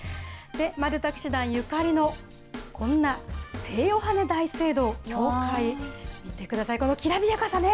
マルタ騎士団ゆかりのこんな聖ヨハネ大聖堂、教会、見てください、このきらびやかさね。